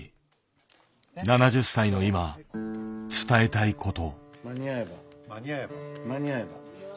７０歳の今伝えたいこと。